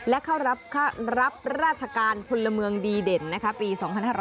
และเข้ารับราชการพลเมืองดีเด่นปี๒๕๕๙